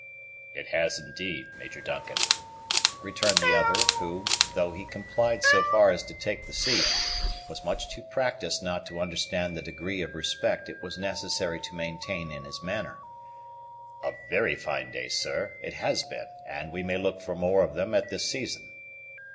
"It has indeed, Major Duncan," returned the other, who, though he complied so far as to take the seat, was much too practised not to understand the degree of respect it was necessary to maintain in his manner; "a very fine day, sir, it has been and we may look for more of them at this season."